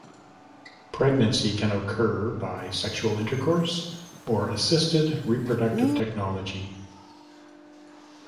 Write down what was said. Pregnancy can occur by sexual intercourse or assisted reproductive technology.